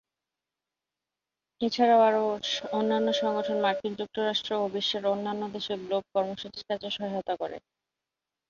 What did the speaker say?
এছাড়াও আরও অন্যান্য সংগঠন মার্কিন যুক্তরাষ্ট্র ও বিশ্বের অন্যান্য দেশে গ্লোব কর্মসূচির কাজে সহায়তা করে।